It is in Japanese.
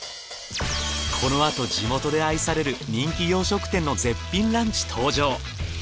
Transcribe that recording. このあと地元で愛される人気洋食店の絶品ランチ登場。